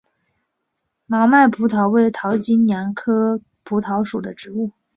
毛脉蒲桃为桃金娘科蒲桃属的植物。